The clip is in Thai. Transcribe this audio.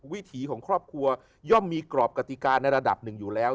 วิถีของครอบครัวย่อมมีกรอบกติกาในระดับหนึ่งอยู่แล้ว